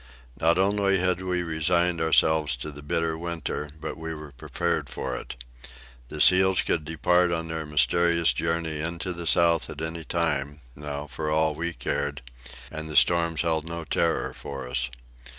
Not only had we resigned ourselves to the bitter winter, but we were prepared for it. The seals could depart on their mysterious journey into the south at any time, now, for all we cared; and the storms held no terror for us.